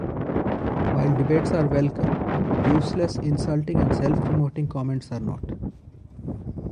While debates are welcome, useless, insulting, and self-promoting comments are not.